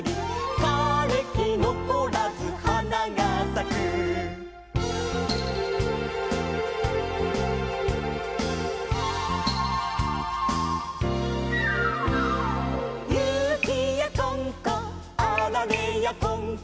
「かれきのこらず花が咲く」「ゆきやこんこあられやこんこ」